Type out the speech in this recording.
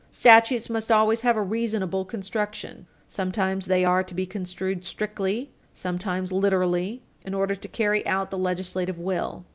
Statutes must always have a reasonable construction. Sometimes they are to be construed strictly; sometimes liberally, in order to carry out the legislative Page 163 U. S. 559 will.